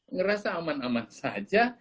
ngerasa aman aman saja